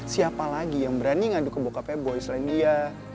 siapa lagi yang berani ngadu ke bokapnya boys lain dia